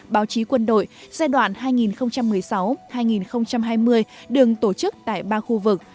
báo chí quân đội giai đoạn hai nghìn một mươi sáu hai nghìn hai mươi đường tổ chức tại ba khu vực